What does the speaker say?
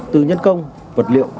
từ nhân công vật liệu